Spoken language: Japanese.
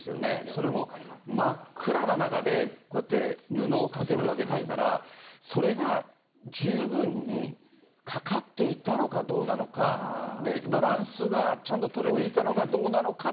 それも真っ暗な中で、こうやって布をかけるわけですから、それが十分にかかっていたのかどうなのか、バランスがちゃんと取れていたのかどうなのか。